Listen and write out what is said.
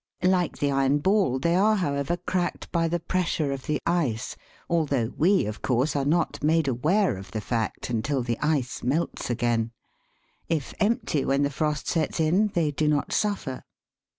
Like the iron ball, they are, however, cracked by the pres EXPANSION BY COLD. 25 sure of the ice, although we, 01 course, are not made aware of the fact until the ice melts again. If empty when the frost sets in they do not suffer.